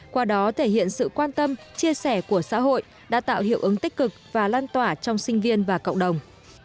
qua đó thể hiện sự quan tâm chia sẻ của xã hội đã tạo hiệu ứng tích cực và lan tỏa trong sinh viên và cộng đồng